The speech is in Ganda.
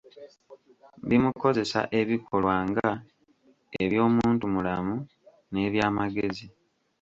Bimukozesa ebikolwa nga; eby'omuntumulamu n'eby'amagezi.